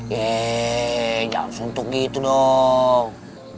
yeee jangan suntuk gitu dong